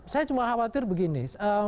saya cuma khawatir begini